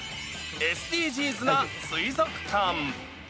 ＳＤＧｓな水族館。